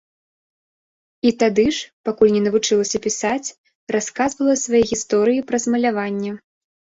І тады ж, пакуль не навучылася пісаць, расказвала свае гісторыі праз маляванне.